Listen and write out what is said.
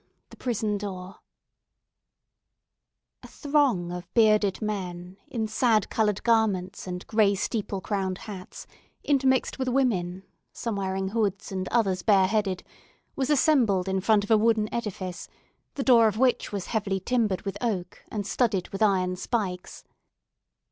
THE PRISON DOOR A throng of bearded men, in sad coloured garments and grey steeple crowned hats, intermixed with women, some wearing hoods, and others bareheaded, was assembled in front of a wooden edifice, the door of which was heavily timbered with oak, and studded with iron spikes.